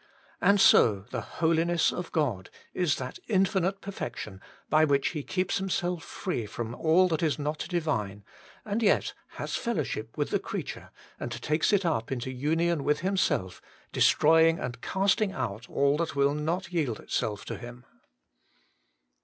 And so the Holiness of God is that infinite Perfection by which He keeps Himself free from all that is not Divine, and yet has fellowship with the creature, and takes it up into union with Himself, destroying and casting out all that will not yield itself to Him.